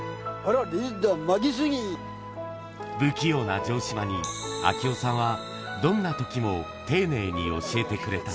リーダー、不器用な城島に、明雄さんはどんなときも丁寧に教えてくれた。